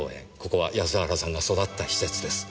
ここは安原さんが育った施設です。